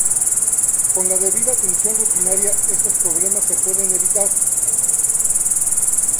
Con la debida atención rutinaria, estos problemas se pueden evitar.